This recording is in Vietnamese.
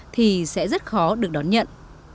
thì sẽ rất khó được đón nhận